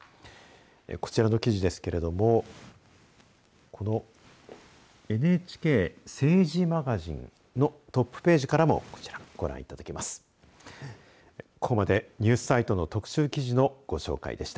こちらの記事ですけれどもこのＮＨＫ政治マガジンのトップページからもこちら、ご覧いただけます。